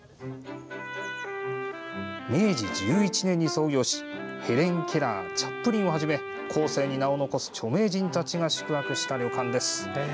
明治１１年に創業しヘレン・ケラーチャップリンをはじめ後世に名を残す著名人たちが宿泊した旅館です。